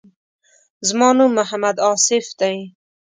زما نوم محمد آصف دی.